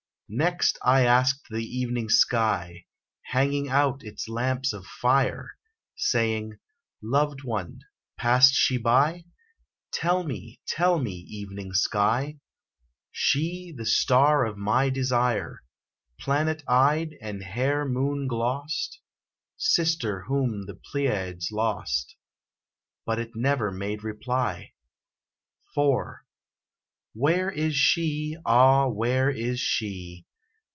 Next I asked the evening sky, Hanging out its lamps of fire; Saying, "Loved one, passed she by? Tell me, tell me, evening sky! She, the star of my desire Planet eyed and hair moon glossed, Sister whom the Pleiads lost." But it never made reply. IV. Where is she? ah, where is she?